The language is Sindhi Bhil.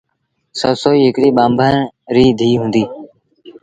سسئيٚ هڪڙي ٻآنڀڻ ريٚ ڌيٚ هُݩديٚ۔